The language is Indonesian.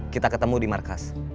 kita ketemu di markas